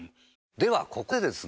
ではここでですね